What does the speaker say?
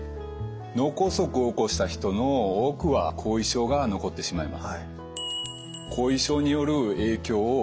脳梗塞を起こした人の多くは後遺症が残ってしまいます。